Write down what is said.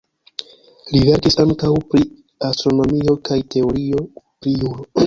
Li verkis ankaŭ pri astronomio kaj teorio pri juro.